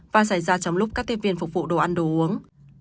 và xảy ra trong lúc các tiếp viên phục vụ đồ ăn đồ uống